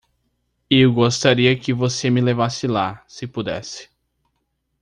Eu gostaria que você me levasse lá se pudesse.